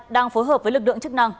đang phối hợp với lực lượng chức năng